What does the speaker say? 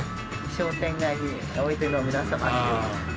「商店街においでの皆様」っていう。